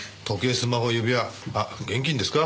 スマホ指輪あっ現金ですか？